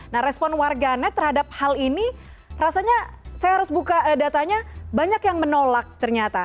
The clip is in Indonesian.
nah respon warga net terhadap hal ini rasanya saya harus buka datanya banyak yang menolak ternyata